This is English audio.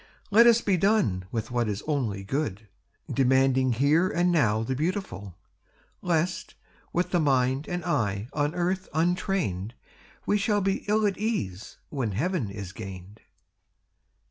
Let us be done with what is only good, Demanding here and now the beautiful; Lest, with the mind and eye on earth untrained, We shall be ill at ease when heaven is gained.